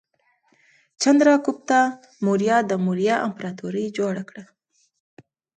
چندراګوپتا موریا د موریا امپراتورۍ جوړه کړه.